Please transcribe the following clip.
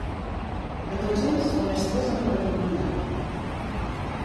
De tots ells només tres han repetit mandat.